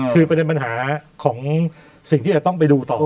คือประเด็นปัญหาของสิ่งที่จะต้องไปดูต่อ